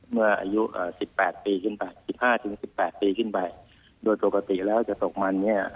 เมื่ออายุสิบแปดปีขึ้นไปสิบห้าถึงสิบแปดปีขึ้นไปโดยปกติแล้วจะตกมันเนี่ย